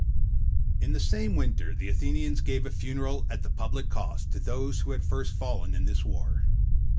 In the same winter the Athenians gave a funeral at the public cost to those who had first fallen in this war.